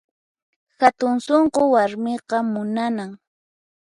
Hatun sunqu warmiqa munanan